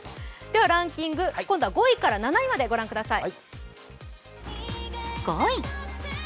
ランキング、今度は５位から７位まで御覧ください。